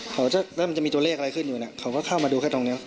มันจะมีตัวเลขอะไรขึ้นอยู่เนี่ยเขาก็เข้ามาดูแค่ตรงนี้